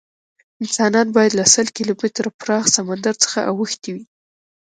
انسانان باید له سل کیلومتره پراخ سمندر څخه اوښتي وی.